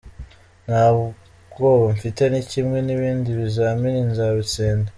Nta bwoba mfite ni kimwe n’ibindi bizamini nzabitsinda.